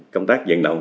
công tác diện động